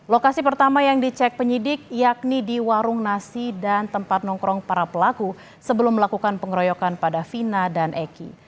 lokasi pertama yang dicek penyidik yakni di warung nasi dan tempat nongkrong para pelaku sebelum melakukan pengeroyokan pada fina dan eki